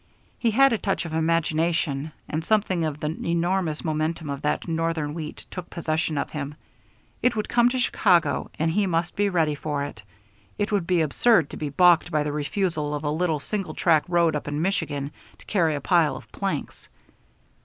He had a touch of imagination, and something of the enormous momentum of that Northern wheat took possession of him. It would come to Chicago, and he must be ready for it. It would be absurd to be balked by the refusal of a little single track road up in Michigan to carry a pile of planks.